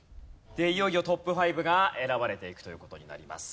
いよいよトップ５が選ばれていくという事になります。